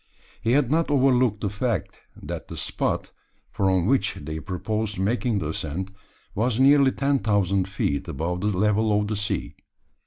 He had not overlooked the fact, that the spot, from which they proposed making the ascent, was nearly ten thousand feet above the level of the sea.